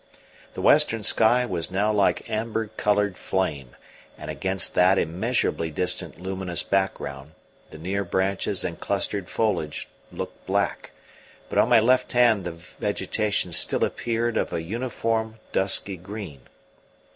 The western sky was now like amber coloured flame, and against that immeasurably distant luminous background the near branches and clustered foliage looked black; but on my left hand the vegetation still appeared of a uniform dusky green.